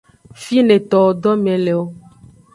Fine towo dome le o.